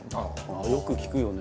よく聞くよね